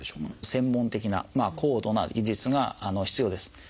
専門的な高度な技術が必要です。